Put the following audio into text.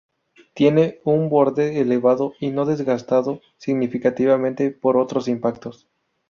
Tiene un borde elevado y no desgastado significativamente por otros impactos.